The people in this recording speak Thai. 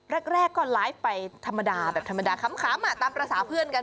แรกก็ไลฟ์ไปธรรมดาแบบธรรมดาค้ำตามภาษาเพื่อนกัน